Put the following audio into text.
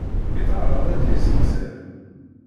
Yettεaraḍ ad yezzinzer.